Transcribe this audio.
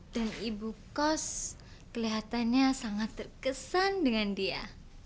dan ibu kos kelihatannya sangat terkesan dengan dia